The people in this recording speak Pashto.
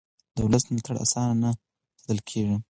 د ولس ملاتړ اسانه نه ساتل کېږي